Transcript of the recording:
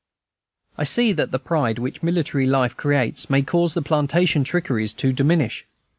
I see that the pride which military life creates may cause the plantation trickeries to diminish.